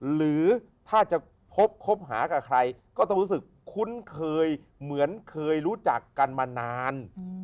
หรือถ้าจะพบคบหากับใครก็ต้องรู้สึกคุ้นเคยเหมือนเคยรู้จักกันมานาน